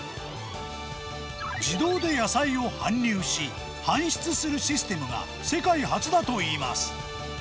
自動で野菜を搬入し、搬出するシステムが、世界初だといいます。